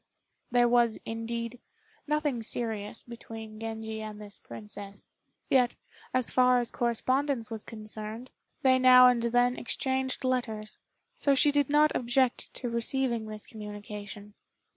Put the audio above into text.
There was, indeed, nothing serious between Genji and this princess; yet, as far as correspondence was concerned, they now and then exchanged letters, so she did not object to receiving this communication.